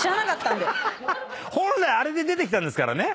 本来あれで出てきたんですから。